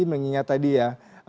mengingat tadi ya